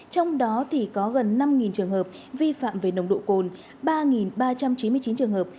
trong đó có gần năm trường hợp vi phạm về nồng độ cồn ba ba trăm chín mươi chín trường hợp